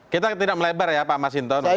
kita tidak melebar ya pak mas hinton